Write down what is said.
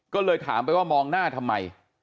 ก็เลยถามไปว่ามองหน้าทำไม